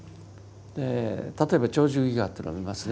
例えば「鳥獣戯画」というのを見ますね。